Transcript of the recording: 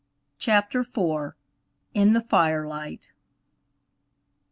CHAPTER IV. IN THE FIRELIGHT.